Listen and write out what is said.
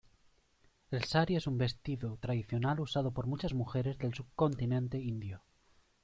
El "sari" es un vestido tradicional usado por muchas mujeres del subcontinente indio.